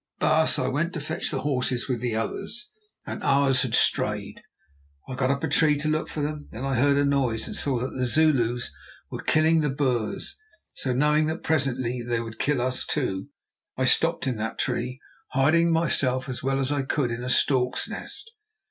"Baas, I went to fetch the horses with the others, and ours had strayed. I got up a tree to look for them. Then I heard a noise, and saw that the Zulus were killing the Boers; so knowing that presently they would kill us, too, I stopped in that tree, hiding myself as well as I could in a stork's nest.